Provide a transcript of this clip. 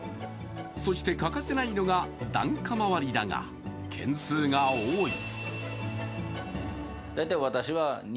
そして欠かせないのが檀家回りだが件数が多い。